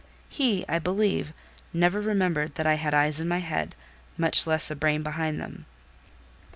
He, I believe, never remembered that I had eyes in my head, much less a brain behind them.